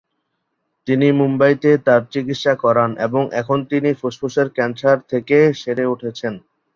তিনি মুম্বইতে তার চিকিৎসা করান এবং এখন তিনি ফুসফুসের ক্যান্সার থেকে সেরে উঠেছেন।